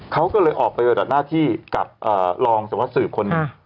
เขาก็เลยออกไปดัดหน้าที่กับรองสวัสดิ์สืบคน